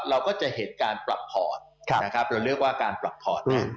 เราก็จะเห็นการปรับผอดนะครับเราเลือกว่าการปรับผอด